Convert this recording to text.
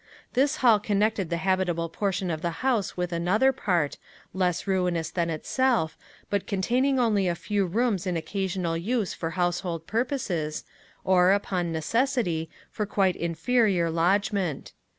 This hall connected the habitable portion of the house with another part, less ruinous than itself, but containing only a few rooms in occasional use for household purposes, or, upon necessity, for quite inferior lodgment.